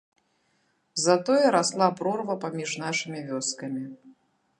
Затое расла прорва паміж нашымі вёскамі.